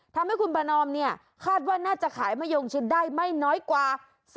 ทำให้คุณประนอมเนี่ยคาดว่าน่าจะขายมะยงชิดได้ไม่น้อยกว่า